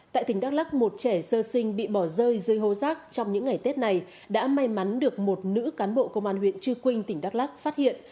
tại tỉnh đắk lắc một trẻ sơ sinh bị bỏ rơi dưới hô rác trong những ngày tết này đã may mắn được một nữ cán bộ công an huyện trư quynh tỉnh đắk lắc phát hiện